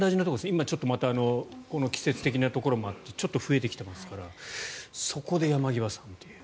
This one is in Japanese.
今また季節的なところもあってちょっと増えてきていますからそこで山際さんという。